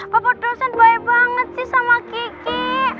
bapak dosen baik banget sih sama kiki